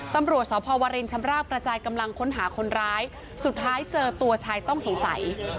ตำรวจสพวรินชำราบกระจายกำลังค้นหาคนร้ายสุดท้ายเจอตัวชายต้องสงสัย